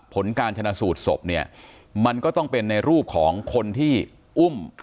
ผลการชนะสูตรศพเนี่ยมันก็ต้องเป็นในรูปของคนที่อุ้ม